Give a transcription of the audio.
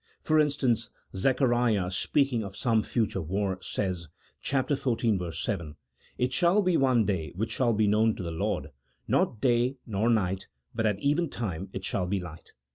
For instance, Zechariah speak ing of some future war says (chap. xiv. verse 7) :" It shall be one day winch shall be known to the Lord, not day nor night ; but at even time it shall be light."